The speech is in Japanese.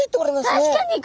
確かに。